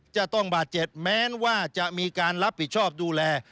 จะต้องบาดเจ็บแม้ว่าจะมีการรับผิดชอบดูแล